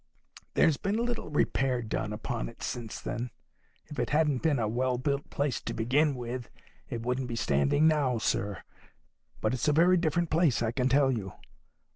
There's been little repair done upon it since then. If it hadn't been a well built place to begin with, it wouldn't be standing now, sir. But it's a very different place, I can tell you.